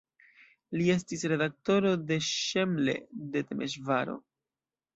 Li estis redaktoro de "Szemle" de Temeŝvaro.